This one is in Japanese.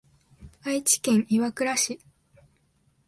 愛知県岩倉市